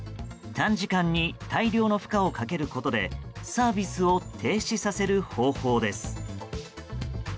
短時間に大量の負荷をかけることでサービスを停止させる方法です。